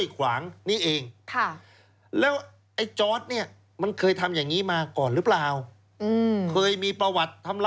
มาเดินปึ้งเตะปุ้ม